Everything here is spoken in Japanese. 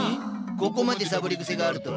ここまでサボりぐせがあるとは！